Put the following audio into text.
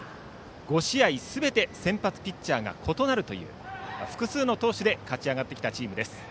５試合すべて先発ピッチャーが異なるという複数の投手で勝ち上がってきたチームです。